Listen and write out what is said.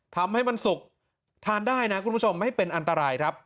ทำให้มันสุกทานได้นะคุณผู้ชมไม่เป็นอันตรายครับ